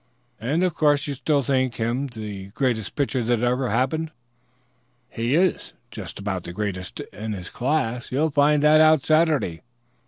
"And of course you still think him the greatest pitcher that ever happened?" "He's just about the greatest in his class; you'll find that out Saturday.